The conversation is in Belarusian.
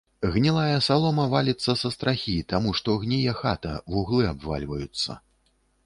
Гнілая салома валіцца са страхі, таму што гніе хата, вуглы абвальваюцца.